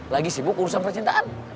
lagi sibuk urusan percintaan